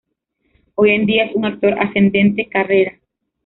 Hoy en día es un actor ascendente carrera.